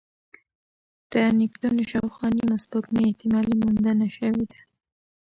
د نیپتون شاوخوا نیمه سپوږمۍ احتمالي موندنه شوې ده.